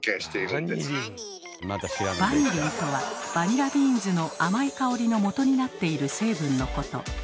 バニリンとはバニラビーンズの甘い香りのもとになっている成分のこと。